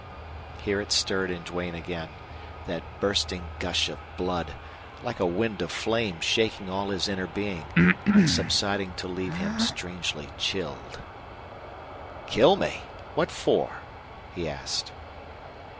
Here it stirred in Duane again, that bursting gush of blood, like a wind of flame shaking all his inner being, and subsiding to leave him strangely chilled. "Kill me! What for?" he asked.